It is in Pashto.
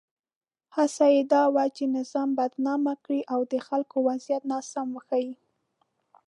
هڅه یې دا وه چې نظام بدنام کړي او د خلکو وضعیت ناسم وښيي.